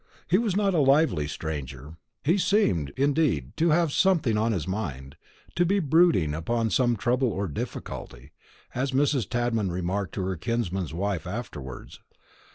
He was not a lively stranger; he seemed, indeed, to have something on his mind, to be brooding upon some trouble or difficulty, as Mrs. Tadman remarked to her kinsman's wife afterwards.